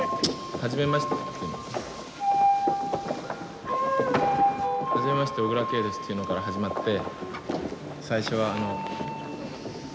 「はじめまして小椋佳です」っていうのから始まって最初はあの。